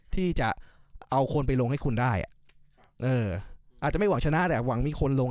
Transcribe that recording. ที่จะเอาคนไปลงให้คุณได้อาจจะไม่หวังชนะแต่หวังมีคนลง